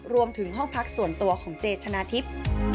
ห้องพักส่วนตัวของเจชนะทิพย์